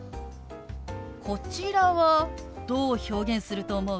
こちらはどう表現すると思う？